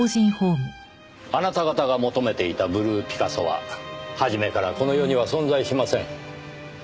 あなた方が求めていたブルーピカソは初めからこの世には存在しません。